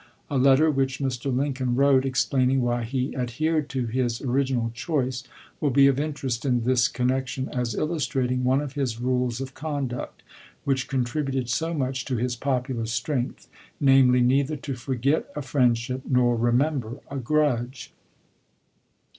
A letter which Mr. Lincoln wrote, explaining why he ad hered to his original choice, will be of interest in this connection as illustrating one of his rules of conduct which contributed so much to his popular strength; namely, neither to forget a friendship nor remember a grudge.